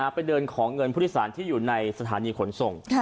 ไปเดินของเงินผู้โดยสารที่อยู่ในสถานีขนส่ง